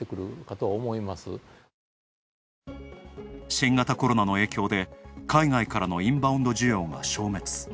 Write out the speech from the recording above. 新型コロナの影響で、海外からのインバウンド需要が消滅。